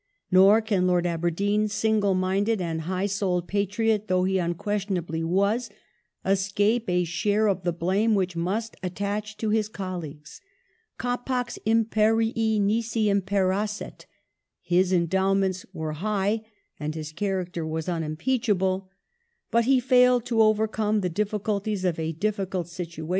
Nor can Lord Aberdeen, single minded and high souled patriot though he unquestionably was, escape a share of the blame which must attach to his colleagues. " Capax imperii nisi imperasset" His endowments were high and his character was unimpeachable ; but he failed to overcome the difficulties of a difficult situation and a ^ Letter to Lord Aberdeen, January 23rd.